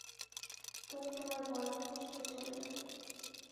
তুমিও তোমার বয়ফ্রেন্ডের সাথে চলে যাবে।